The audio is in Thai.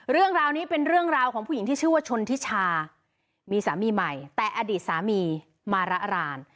เรื่องราวนี้เป็นเรื่องราวของผู้หญิงที่ชื่อว่าชนทิชามีสามีใหม่แต่อดีตสามีมาระราน